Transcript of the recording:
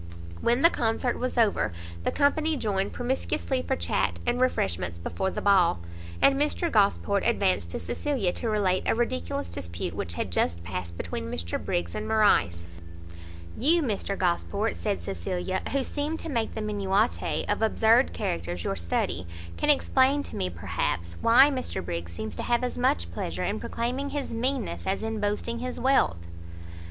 When the Concert was over, the company joined promiscuously for chat and refreshments before the ball; and Mr Gosport advanced to Cecilia, to relate a ridiculous dispute which had just passed between Mr Briggs and Morrice. "You, Mr Gosport," said Cecilia, "who seem to make the minutiae of absurd characters your study, can explain to me, perhaps, why Mr Briggs seems to have as much pleasure in proclaiming his meanness, as in boasting his wealth?"